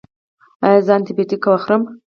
ایا زه انټي بیوټیک وخورم؟